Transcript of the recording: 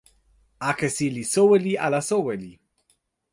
akesi li soweli ala soweli?